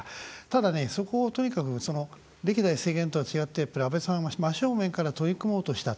ただね、そこをとにかく歴代政権とは違って安倍さんは真正面から取り組もうとした。